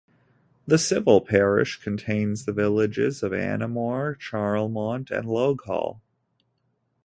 The civil parish contains the villages of Annaghmore, Charlemont and Loughgall.